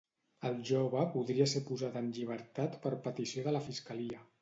El jove podria ser posat en llibertat per petició de la fiscalia